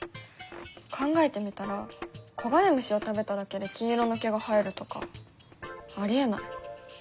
考えてみたら黄金虫を食べただけで金色の毛が生えるとかありえない。